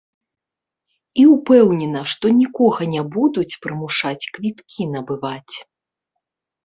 І ўпэўнена, што нікога не будуць прымушаць квіткі набываць.